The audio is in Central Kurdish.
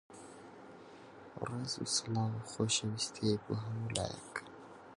ماڵی جاشی وا هەر ئاوا!